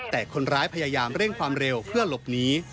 แต่คนร้ายพยายามเร่งความเร็วเพื่อหลบหนี